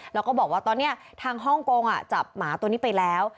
แล้วก็บอกว่าตอนนี้ทางฮ่องกงจับหมาตัวนี้ไปแล้ว